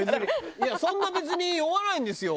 「いやそんな別に酔わないんですよ」。